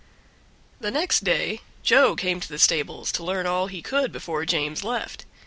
The next day Joe came to the stables to learn all he could before James left.